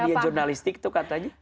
dalam dunia jurnalistik itu katanya